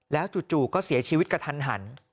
แล้วจู่ก็เสียชีวิตกระทันหัน